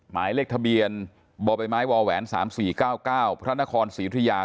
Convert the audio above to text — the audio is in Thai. หมายเลขทะเบียนบ่อไปไม้บ่อแหวน๓๔๙๙พระนครศรีธุริยา